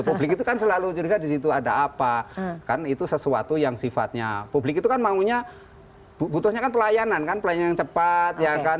publik itu kan selalu curiga disitu ada apa kan itu sesuatu yang sifatnya publik itu kan maunya butuhnya kan pelayanan kan pelayanan yang cepat ya kan